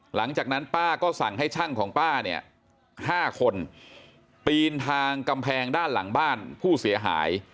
หลังจากนั้นป้าก็สั่งให้ช่างของป้าเนี่ย๕คนปีนทางกำแพงด้านหลังบ้านผู้เสียหาย